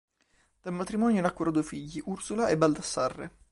Dal matrimonio nacquero due figli Ursula e Baldassarre.